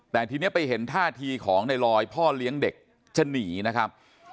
แต่ทีนี้ไปเห็นท่าทีของในลอยพ่อเลี้ยงเด็กจะหนีนะครับ